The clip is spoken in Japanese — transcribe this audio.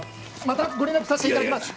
またご連絡さしていただきます。